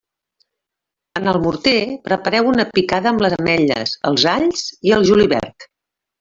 En el morter prepareu una picada amb les ametlles, els alls i el julivert.